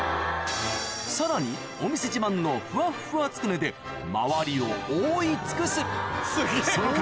さらにお店自慢のフワフワつくねで周りを覆い尽くすその数